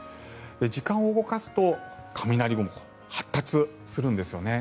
時間を動かすと雷雲が発達するんですよね。